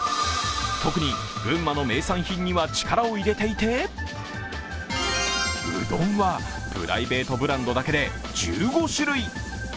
特に群馬の名産品には力を入れていて、うどんはプライベートブランドだけで１５種類。